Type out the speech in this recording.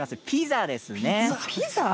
ピザです。